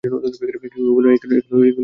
কেউ কেউ বলেন, এগুলোকে তিনি ভেঙ্গে ফেলেন।